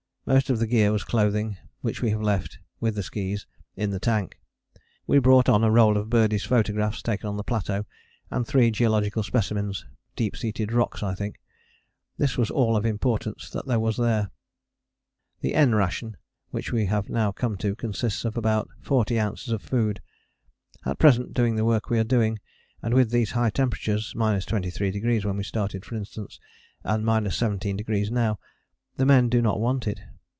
Most of the gear was clothing, which we have left, with the skis, in the tank. We brought on a roll of Birdie's photographs, taken on the plateau, and three geological specimens: deep seated rocks I think. This was all of importance that there was there. The N Ration, which we have now come to, consists of about 40 oz. of food. At present, doing the work we are doing, and with these high temperatures, 23° when we started, for instance, and 17° now, the men do not want it.